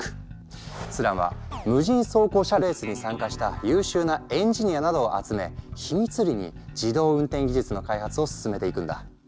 スランは無人走行車レースに参加した優秀なエンジニアなどを集め秘密裏に自動運転技術の開発を進めていくんだ。